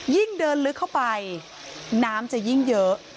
ยิ่งเดินลึกเข้าไปน้ำจะยิ่งเยอะ